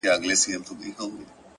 بیرته چي یې راوړې’ هغه بل وي زما نه ‘